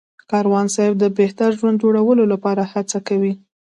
کاروان صاحب د بهتره ژوند جوړولو لپاره هڅه کوي.